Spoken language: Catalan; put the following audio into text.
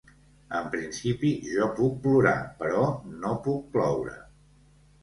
En principi, jo puc plorar, però no puc ploure.